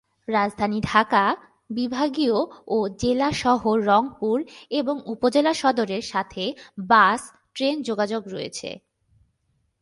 রাজধানী ঢাকা, বিভাগীয় ও জেলা শহর রংপুর এবং উপজেলা সদরের সাথে বাস, ট্রেন যোগাযোগ রয়েছে।